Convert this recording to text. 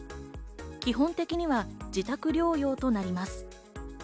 基本的には自宅療養となります。